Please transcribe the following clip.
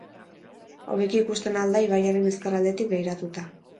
Hobeki ikusten ahal da ibaiaren ezker aldetik begiratuta.